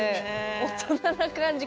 大人な感じ。